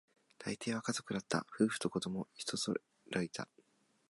大抵は家族だった、夫婦と子供、一揃いだ